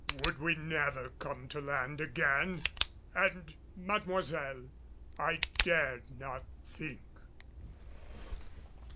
Would we never come to land again? And, Mademoiselle! I dared not think!